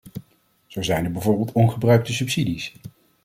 Zo zijn er bijvoorbeeld ongebruikte subsidies.